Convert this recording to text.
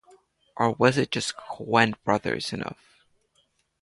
Or was it just Coen brothers enough?